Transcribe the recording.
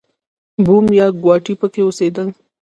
بوم یا ګواټي پکې اوسېدل.